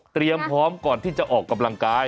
พร้อมก่อนที่จะออกกำลังกาย